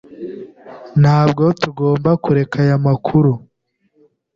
Ntabwo tugomba kureka aya makuru.